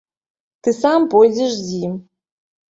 Ты сам пойдзеш з ім.